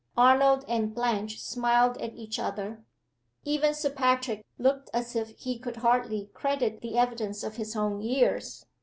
Arnold and Blanche smiled at each other. Even Sir Patrick looked as if he could hardly credit the evidence of his own ears.